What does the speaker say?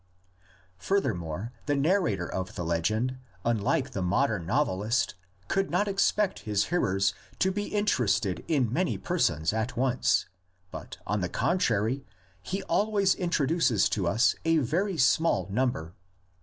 Furthermore, the narrator of the legend, unlike the modern novelist, could not expect his hearers to be interested in many persons at once, but on the contrary, he always introduces to us a very small number.